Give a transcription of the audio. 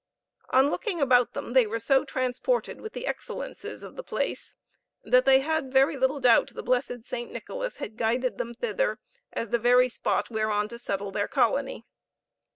On looking about them they were so transported with the excellences of the place that they had very little doubt the blessed St. Nicholas had guided them thither as the very spot whereon to settle their colony.